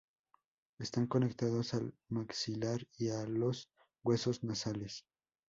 Están conectados al maxilar y a los huesos nasales.